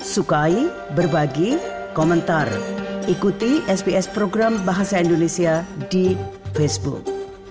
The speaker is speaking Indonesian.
sbs program bahasa indonesia di facebook